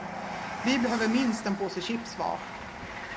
Vi behöver minst en påse chips var.